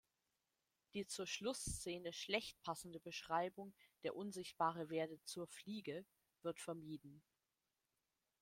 Die zur Schlussszene schlecht passende Beschreibung, der Unsichtbare werde „zur Fliege“, wird vermieden.